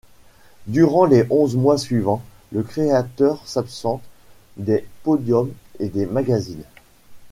Durant les onze mois suivants, le créateur s'absente des podiums et des magazines.